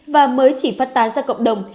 và mới chỉ phát tán ra cộng đồng